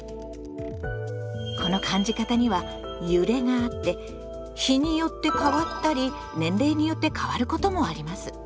この感じ方には「揺れ」があって日によって変わったり年齢によって変わることもあります。